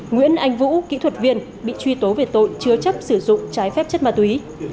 nguyễn anh vũ kỹ thuật viên bị truy tố về tội chứa chấp sử dụng trái phép chất ma túy